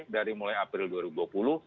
dari mulai april dua ribu dua puluh